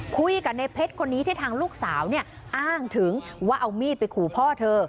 คุยกับในเพชรคนนี้ที่ทางลูกสาวเนี่ยอ้างถึงว่าเอามีดไปขู่พ่อเธอ